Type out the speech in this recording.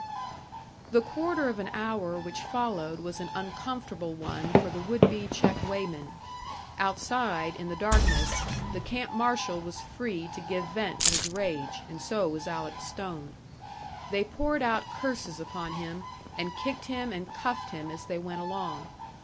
The quarter of an hour which followed was an uncomfortable one for the would be check weighman. Outside, in the darkness, the camp marshal was free to give vent to his rage, and so was Alec Stone. They poured out curses upon him, and kicked him and cuffed him as they went along.